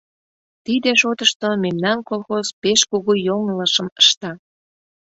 Тиде шотышто мемнан колхоз пеш кугу йоҥылышым ышта.